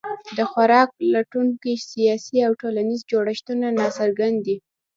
د خوراک لټونکو سیاسي او ټولنیز جوړښتونه ناڅرګند دي.